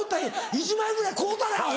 １万円ぐらい買うたれアホ！」